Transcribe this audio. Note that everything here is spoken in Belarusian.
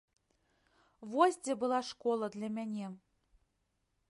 Вось дзе была школа для мяне!